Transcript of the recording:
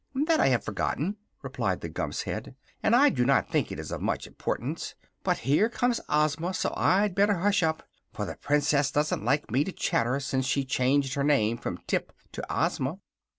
"That I have forgotten," replied the Gump's Head, "and I do not think it is of much importance. But here comes Ozma; so I'd better hush up, for the Princess doesn't like me to chatter since she changed her name from Tip to Ozma."